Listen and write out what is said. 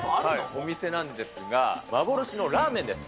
お店なんですが、幻のラーメンです。